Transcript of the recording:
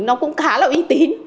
nó cũng khá là uy tín